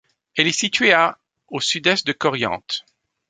Elle est située à au sud-est de Corrientes.